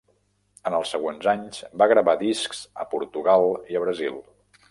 En els següents anys va gravar discs a Portugal i a Brasil.